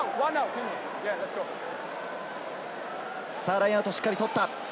ラインアウト、しっかり取った。